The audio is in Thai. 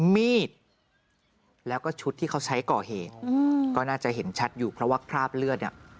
มีดแล้วก็ชุดที่เขาใช้ก่อเหตุก็น่าจะเห็นชัดอยู่เพราะว่าคราบเลือดเนี่ย